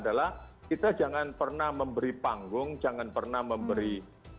makanya rumah anak kita seperti dia menghentikan proses timur di jakarta